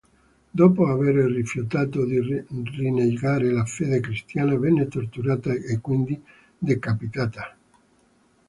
Dopo avere rifiutato di rinnegare la fede cristiana, venne torturata e quindi decapitata.